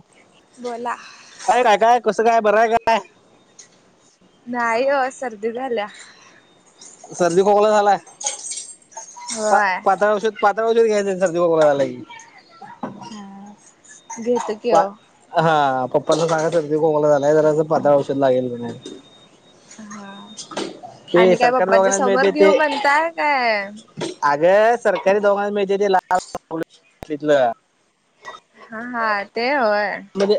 अफ. बोला. अय काय काय कसं काय बरंय काय? नाही अ सर्दी झाल्या. सर्दी खोकला झालाय पा होय. पातळऔषत पात्रा वजर घ्याय सर्दी बोला झाला. हा घेत. हा पप्पना सांगा तर त कोकला झालाय ज असं पातळ औषध लागेल. हा ते आणि काय सरकारी बाप्पांच्या दवाखान्यात समोर घेऊ म्हणता काय? अग सरकारी दोघांना मिळते ते लाल तथलं. हा हा ते होय. म्हणजे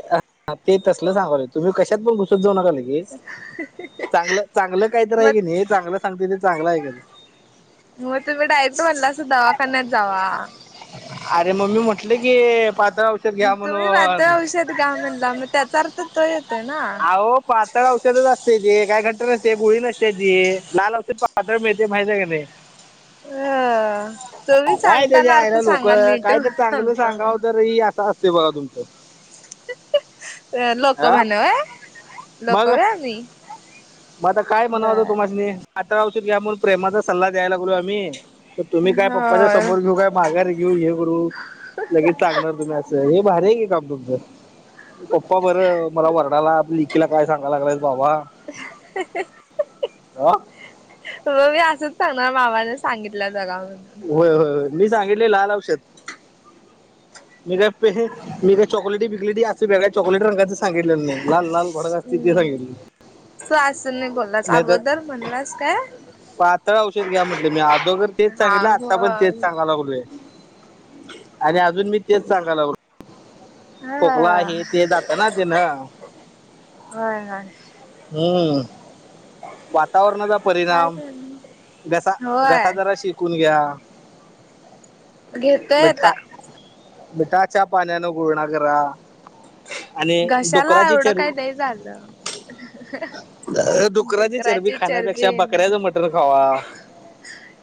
ते तसलं सांगा तुम्ही कशात पण घुसत जाऊ नका लगेच चांगलं चांगलं काहीत आहे मग की नाही चांगलं सांगते ते चांगलं आहे का? मग तुम्ही डायरेक्ट म्हणला अस दवाखान्यात जावा. अरे मम्मी म्हटलं की पात्र औषध घ्या म्हणून गा म्हला मग त्याचा अर्थ तो येते ना. अहो पातळ औषधच असते त काय घंट नसते गुळी नसते ती लाल औषध पातळ मिळते माझ्या सग नाही. [unintelligible] अ आ तुम्ही काय सांगताना त्याच्या आहे अर्थ ना लोक सांगा नीट कायत चांगलं सांगता सांगा मी. तरर असते बघा तुमचं? हा मग लोक. मग आता काय म्हणावतं बर. तुमशी आात्ररावशीत घ्या म्हणून प्रेमाचा सल्ला द्यायला लागलो आम्ही तर तुम्ही काय पप्पाच्या होय समोर घे का? माघार घेऊ हे करू लगेच सांगणार तुम्ही असं हे भारी आहे घे काम तुमचं? पप्पा बरं मला वरडाला आपल्या लेकीला काय सांगायला लागलायत बाबा. हा? [unintelligible] म मी असंच सांगणार मामाने सांगितलं जगा म्हणून होय होय मी सांगितले लाल औषध मे प मे चॉकलेटी बिकघली अस बेगा चॉकलेट रंगाच सांगितले नाही लाल लाल भडक असतील ते सांगितले. तो असून नाही बोललास अगोदर म्हणलास काय? पातळ औषध घ्या म्हटलं मी अदोघर तेच हा सांगितलं हो आता पण तेच सांगाला लागलोय. आणि अजून मी तेच सांगायलावत. खोकला हा हे ते जात ना तेन होय होय. हम्म. वातावरणाचा काय परिणाम करणार घसा घसा होय जराशी चकून घ्या घेतोय आता. मिठ्ठा मिठाच्या पाण्यानं गुळण्या करा. आणि डुकराची चर ते झालं. [unintelligible] डुकराची चरबी खाण्यापेक्षा बकऱ्याच मटण खावा.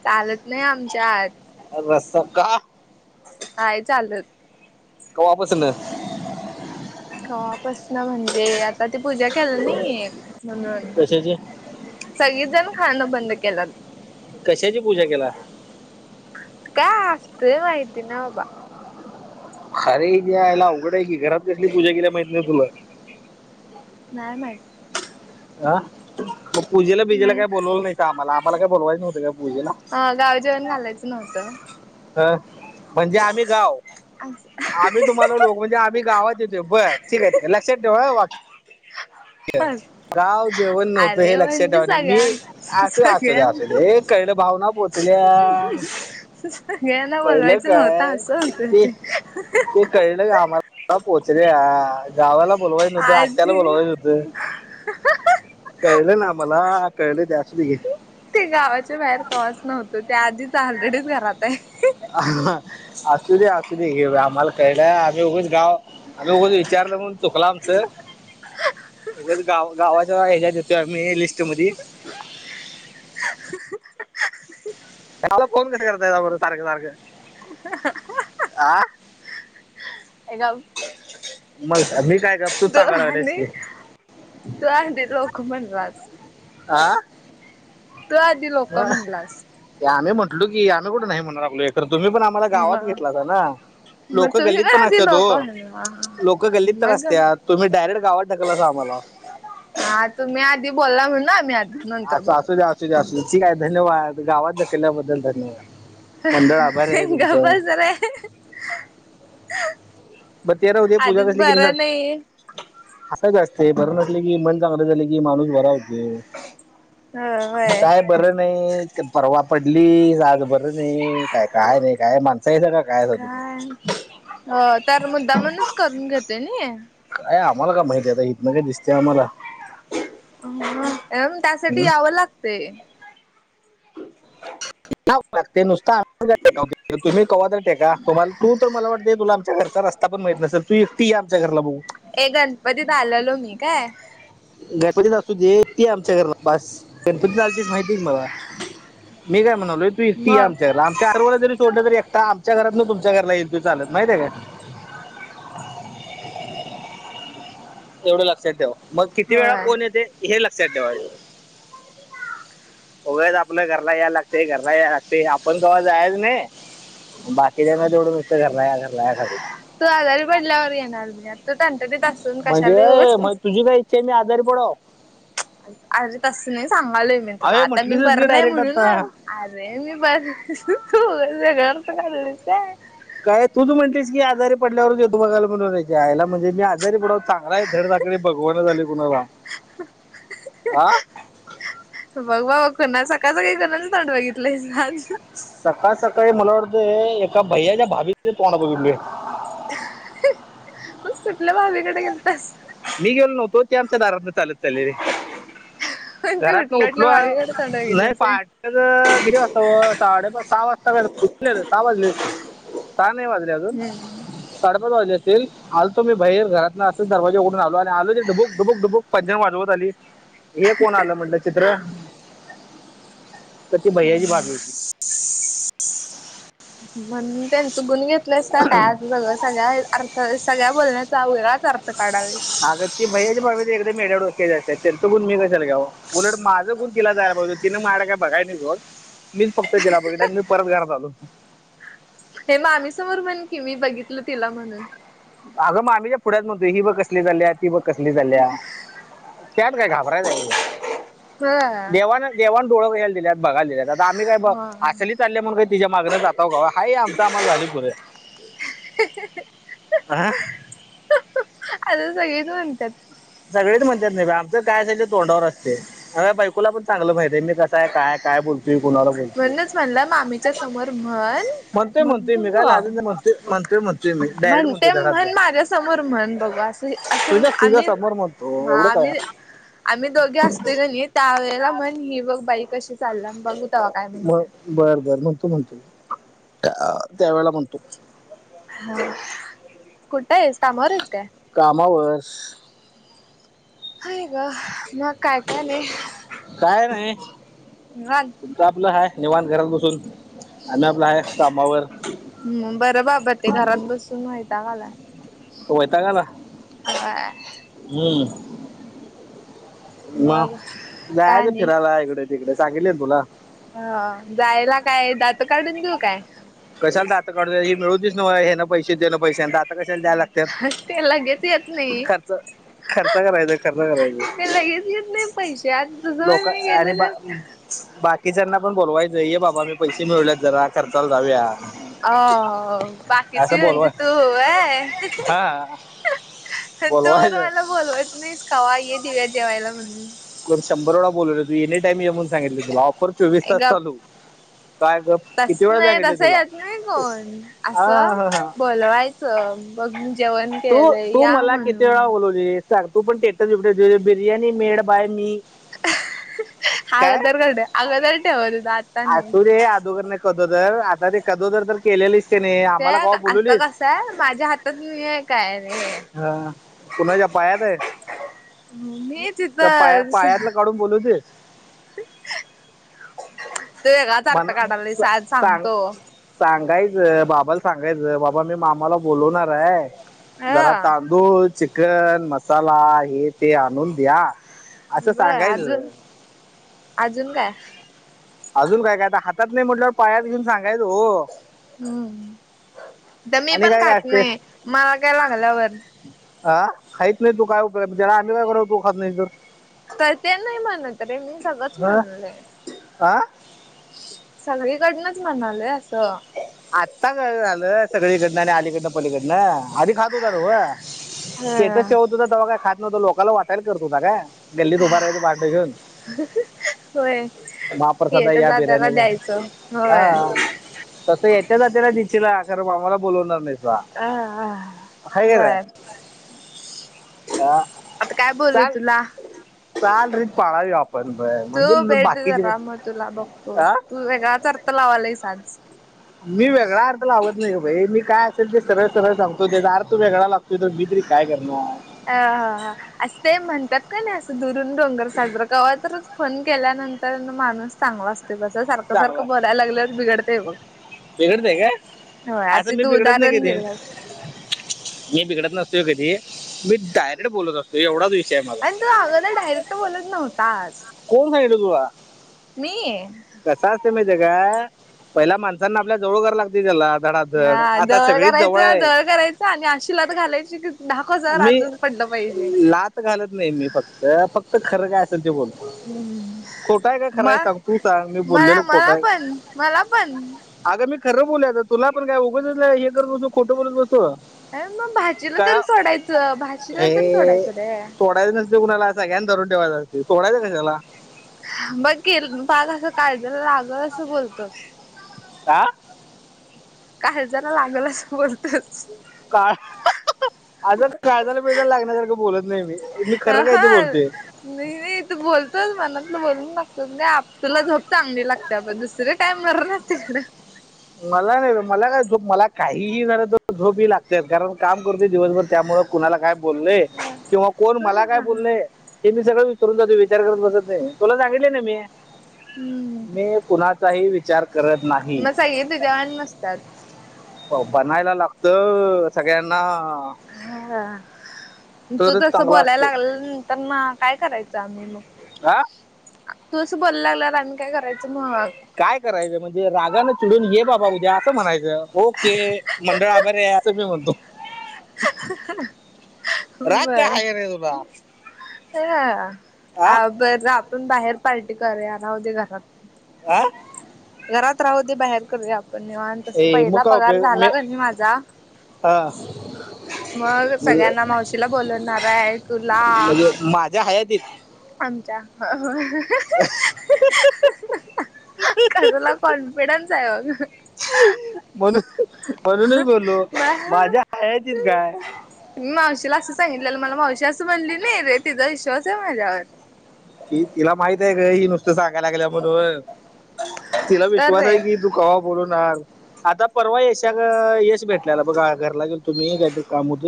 चालत नाही आमच्यात अ रस का? नाय चालत. काव्वा पसन कपसन म्हणजे आता ते पूजा केल नाही म्हणून कशाची सगळी जण खाणं बंद केलं कशाची पूजा केला काय असतंय माहिती ना अरे हिचा आयला अवघड आहे की घरात कसली पूजा केल्या माहित नाही तुला नाही माहित ह मग पूजेला बीजेला नाही काही बोलवलं नाही का आम्हाला आम्हाला काय बोलवायच नव्हत का पूजेला ह गाव जेवण घालायचं नव्हतं अं म्हणजे आम्ही गाव अस [unintelligible] मी तुम्हाला लोक म्हणजे आम्ही गावात येतोय बर ठीक आहे लक्षात ठेऊ वाकी फर [unintelligible] राव जेवण नव्हतं हे लक्षात ठेवाण मी सगळ्यां आसू असो दे अस सगळ्यांना दे कळलं भावना पोत तल्या सगळ्यांना कळलं बोलवायचं नव्हतं काय असं होतं ते ते कळलं आमला पोचल्या गावाला बोलवायच नवत आत्याला आधी बोलवायचं होतं कळलं ना मला कळले ते असुदे घे ते गावाच्या बाहेर कवाच नव्हतो त्या आधीच ऑलरेडीच घरात आहे असू दे असू दे घ आम्हाला कळलं आम्ही उघच गाव उगच विचारलं म्हणून चुकल आमचं उगच गा गावाच्या हच्यात येतोय आम्ही लिस्ट मध मला फोन कस करताय बरं सारखं सारखं ह हे गाव. मग मी काय कर. तो आणि तो अ लोक म्हणलास आ तू आधी लोक ह म्हणलास आम्ही म्हटलो कि आम्ही कुठं नाही म्हणून राखलो एखरं तुम्ही पण आम्हा गावात मग घेतला असा ना मग लोकं तुम्ही गल्लीत पण आधी असत्यात लोक ओ म्हणला लोक गल्लीत तर मग असत्यात तुम्ही डायरेक्ट गावात टाकलंसा आम्हाला. हा तुम्ही आधी बोलला म्हण आम्ही आधी नंतर अस बोललो असू द असू द्या असू दे ठीक आहे धन्यवाद गावात ढकल्याबद्दल धन्यवाद मंडळ आभारी आहे तुमचे तररहे हे बर ते राहू दे पूजा आधीच कसली केली सांग. बरं नाही अस च असते बरं नसले की मन चांगलं झाले की माणूस बरा होतो हो होय. काय बरं नाही परवा पडली आज बर अर नाही काय काय नाही काय माणसां सग का काय तुम्ही हो तर मुद्दामणूच करून घेते नी काय आम्हाला का माहितीय आता हितन काय दिसतेय आम्हाला त्यासाठी हं? यावं लागते [unintelligible] आम्हीे तुम्ही क्हा तर टेका तुम्हाला तू तर मला वाटते तुला आमच्या घरचा रस्ता पण माहीत नसेल पीरती आमच्यात. ए गणपतीत आलेलो मी काय गणपतीत असू दे ती आमच्या घरला बस गणपती आलतीस माहितीय की मला मी काय म्हणालोय तू एकटी ये मग आमच्या घरी लांब चार वळे जरी सोडलं तरी एकटा आमच्या घरात ना तुम घरला येल चालत माहितय काय एवढं लक्षात ठेव मग किती वेळा होय. कोण येते हे लक्षात ठेवायचं उगाच आपल्याच घरा ला या लागते घरला या लागते आपण कवा जायच नाही बाकीच्याना तेवढं नुतं घरलाय या घरला घरलाय तू आजारी पडल्यावर येणार मी आ तो तणटडीत असून कशाला येऊच नाही नी आजारी पडाव अरे तसं नाही सांगालोय मी तुला अरे आता मी म्हटलीसच बर की नाही डायरेक्ट म्हणून आता अरे मी बर त घरच काच काय तूझू म्हणतेस की आजारी पडल्यावरचेत तू बघाला म्हणूनय च्या आई ला म्हणज मी आजारी पडाव म धड साकडी बगवाण झाली कुणाला आ बघ बा ब कणा सकाळचं काही कणाच तड बघितलंयज सकाळ सकाळी मला वाटतं एका भैया्याच्या भाभीचे तोंड बघितल मग सुटलं भावीीकडे गेलतस मी गेलो नव्हतो तेआमच्या दरात चालत रे ते घरात ना उठलं उठलं उठलो भाभीकडे तोंड लय बघितलंच. पाठ गिरी वाजता साडेपाच सहा वाजता सहा वाजले अस सहा नाही वाजले हम्म साडेपाच वाजले असतील आलतो मी बाहेर घरातन असच दरवाजा उघडून ल आणि आलो ढबुक बक ढबक पंजा वाजवत आली हे कोण आलं म्हटलं चित्र त्या त भैयाची बाजलीची म्हणून त्यांचं गुण घेतलंयस का काय अस सगळ सगळ्या तर सगळ्या बोलण्याचा वेराच अर्थ काढावे अगं ती भै्याच बा एकदा मे्या डोक्या जा असत तर तो बण मी कशला गां उलट माझं गुण केला जायला पाहिज तिनने माझड काय बघाय नाहीोड मीच फक्त जिला बघित आणि मी परत घरण्यात आलो हे मामी समोर म्हण की मी बघितल तिला म्हणून अगंग आम्हीच्या फ पुढ्यात म्हणतो ही बघ कसली झाली आहे ती ब कसली ल्या त्यात काय घाबरायच आहे ह देवाना देवा डोळ घला दित बघाय दिले आम्हीय ब हा. असली चाल म्हग तिच्या मागने जाता का हा आमं आम्हाला झाली पुरे आ आता सगळेच म्हणतात सगळेच म्हणतात नाही बा आमच काय असाल तोंडावर असते बायकोला पण चांगलं माहितीिते मी कसय काय काय बोलतोय कुणाला बोलतोय म्हणूनच म्हणलं मामीच्या समोर म्हण म्हणतोय मग म्हणतोय मी काय बघू लाजून नाही म्हणतोय म्हणतोय म्हणतोय मी डायरेक्ट म्हणतोय म्हणते घरात म्हण जाऊन. माझ्या समोर म्हण बघ असं तुझ्या तुझ्या आम्ही समोर म्हणतो हा एवढं काय आम्ही आम्ही दोघे असते ग नाही त्या वेळेला म्हण ही बघ बाई कशी चालला बघ म बर बर म्हणतो म्हणतो त्या त्यावेेला म्हणतो ह कुठं आहेस कामार आहेस काय कामावर हाय ग मग काय का नाही काय नाही हा आपलं हा निेवाण घरात बसून आ्ही आपला हा कामावर हम् बरं बाबा ते घरात बसून व्हायता काला होयता का ह हम्म मग काय जायचं नाही. फिरायला इकडे तिकडे सांगितले ना तुला ह जायला काय दात काढून घेऊ काय कशालाात मिळूतीच ना हे पैसे दें पैसे कशा द्याय लागत ते लगेच येत नाही. खर्च खर्च करायच खर्च करायच ते लगेच येत नाही पैसे आज तुझं होय लोक मी आणि गेलं तर बाकीच्यांना पण बोलवायचंय ये बाबा मी पैसे मिळवल्यात जरा खर्चाला जाऊया अ असं बाकीची म्हणजे बोलवाय तू होऊय हा तो बोलवायचं मला बोलवत नाहीस कावा ये दिव्या जेवायला म्हणून शंभरवेळां बोललो तूं एनी टाईमं येऊं सांगितलं तुलां ऑफर चोवीस तासं चालूं कायं गं तसं नाहीं तसं येतं नाहीं कोणं हा असं हा हा बोलवायचं बघं जेवणं तू केलंय तू यां मला किती म्हणूंन वेळा बोलवली सांग तू पणं टेटव बिर्याणी मेड बांय मी आंग तर्र करंडे आगोदर ठेवायचां अंसू रे अदोगर नाहीं कदोदर आतां ते कदोदर तरं केलेलेस कां नाहीं आम्हांला केव्हां बोलवलीसं तरं माझ्यां हात तरं ते हे कायं रे हां हां पुन्हांच्यांया पांयातं आहे मी पायां पायातंल काढूंन बोलवतेसं ते वेगळाचं अर्थ मला काढायलां नाहीं सा- सांज सांग सांगतो सांगायचं बाबांला सांगायचं बाबां मी मामालां बोलवणारं आहे ह जरां तां तूं चिकन मसांला हे ते आंणून द्यां असं सांगायचं अजूंन कायं अजूंन कायं कायतां हातांत नाहीं म्हटलंवर पांयातं घेऊन सांगायचं हो हम्मं मी आणि पणं काय काय खातं असते नाहीं मागं लागल्यांवर अ खाहीतं नाहीं तूं कायं रां कायं करां तूं खातं नाहीं तरं तरं ते नाहीं म्हणतं रे मी सगळंचं हा? म्हणलं. हा? सगळी ईकडनंच म्हणांलेय असं. आत्तां गं झालं सगळीकडनं आणि अलीकडनं पलीकडनं आधी खातं होतां नं तेेतचं ह शेवंत होतां ते कायं खातं नव्हतं. लोकांला वाटयलां करतं होतां. कां गल्लीत उंभार वाटंगतं होयं हे महाप्रसादा तरं या जातालां बिर्याणीला द्यायचं होयं. हा तसं येत्यां जांते नां दिशलां खंरा आम्हांला बोलणारं नाहीं. आह आह बरं तुला चांल रीत पाळांवी आपणं. बरं बरं म्हणंजे तू तुझं पाकीट अं तूं वेगळांचं अर्थ लावंला आहे. सांज मी वेगळां अर्थ लावतं नाहीं कां भाई मी कायं असेल ते सरळं सरळं सांगतो ते यांचा अर्थ वेगळां लागतो. ते तरं मी तरी कायं करणारं अ. हां. हं. असं ते म्हणतांत की नाहीं असं दुरूंन डोंगरं सांजर केवां तरचं फोन केल्यानंतर माणूंस चांगला असतो. ते बसं सारखं सारखं चांगला सारखं बोलायलां लागल्यांवर बिघडते. हो बिघडतंय हो का असं आतां मी तूं बिघडत नाही उदाहरणं कधी दिलंस. मी बिघडतं नसतोय कधी मी डायरेक्ट बोलतं असतो. एवढाचं विषय माझां तो गो अगो दरं डायरेक्टं बोलतं नव्हताचं कोणं सांगीत तुलां मी हे कंस असतें माहितं आहे कां पहिल्यां माणसांना आपल्यां जवळं करावं लागतं. कुठं चाललायं जरां जळं हा आतां जवळ सगळीचं जवंळ करायचं आहे. जवळ करायचं आणि अशिलांत घालांयची की दहाकजांर अजूंन पडलां पाहिजे. घालतं नाहीं मी फक्तं फक्तं खरं कायं असेलं ते बोलतो. खोटं आहे का म खरं आहे मंग सांग तू सांग मी मलां बोललेलो खोटं मलां आहे पणं मलां पणं. अगं मी खरं बोलतो तुलां पणं कायं उघचं हे खोटं बोलतं होतो नाहींतरं भाचीलां तरी सोडायचं. भाजीला तरी सोडायचं रे सोडायचं नसतं कुणालां सगळ्यांना धरूंन ठेवायचं असतं सोडायचं कशालां. [unintelligible] कां. काळजालालागल असं बोलत तो. का आज काळजाला लागण्यासारखं बोलत नाही मी. मी अ खरं हा कायते बोलतो. नाही नाही तू बोलतोच मनातलं बोलून लागतो. नाही आप तुला झोप चांगली लागते. आपण दुसऱ्या टाईमवरर ना [unintelligible] मला. मला काय मला काही हीकेलं तरी झोपही लागते. कारण काम करून दिवसभर दमतो. कुणाला काय बोललय किंवा कोण हा मला काय हा बोललेय. ते मी सगळं विसरून जातो विचार करत बसत नाही तुला सांगितले ना मी. हम्म मी कुणाचाही विचार करत नाही. का येत ान मस्त [unintelligible] त्या बघायला लागतं. सगळ्यांना. ह. तू तरच तस चांगला बोलायला असतो लागल. त्यांना काय करायचं. आम्ही मग हा तूं असं बोलांयलां लागलां आम्हीं कायं करायचं मंग कायं करायचं म्हणजे रागानं चिडूंन ये बाबां उद्यां असं म्हणायचं. ओके मंडळ आभारी आहे. असं मी म्हणतो. बस राग काय आहे रे तुला [unintelligible] ह हा आ ब आपण बाहेर पार्टी करुयात राहूदेत घरात. हा घरात राहू दे बाहेर करू आपण निवांत अस ए मग पहिला काय पगार उपयोग? झाला मे- का नाही माझा. हा मग म्हणजे सगळ्यांना मावशीला बोलवणार आहे तुला. हयादीत. आमच्या. कसला कॉन्फिडन्स आहे बघ. म्हणून म्हणूनच बोललो बघ माझ्या हयातीत काय. मी मावशीला असं सांगितलेलं मला मावशी असं बोलली नाही रे तिचा विश्वास आहे माझ्यावर. कि तिला माहित आहे ग ही नुसतं सांगायला लागल्या म्हणून तिला तर विश्वास आहे रे कि तू कवा बोलवनार ना. आता परवा यशा यश भेटलेला बघा घरला गेलतो मी काहीतरी काम होत.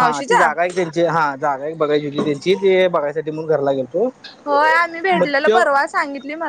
हा ती जागा एक त्यांची हा जागा एक बघायची होती त्यांची ते बघायसाठी म्हणून घरला गेलतो. होय आम्ही मग भेटलेलं त्यो परवा सांगितली मला.